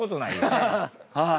はい。